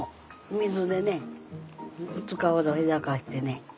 水でね２日ほどふやかしてね。